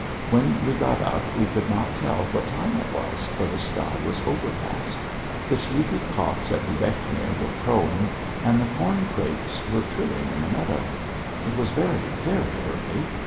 When we got up we could not tell what time it was for the sky was overcast; the sleepy cocks at Dubechnia were crowing, and the corncrakes were trilling in the meadow; it was very, very early....